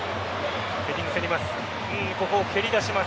ヘディング、競ります。